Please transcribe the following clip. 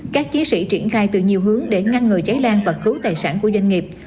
các chiến sĩ triển khai từ nhiều hướng để ngăn ngừa cháy lan và cứu tài sản của doanh nghiệp